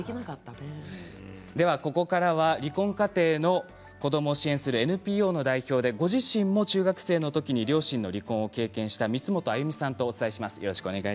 ここからは離婚家庭の子どもを支援するＮＰＯの代表でご自身も中学生の時両親が離婚を経験した光本歩さんとお伝えします。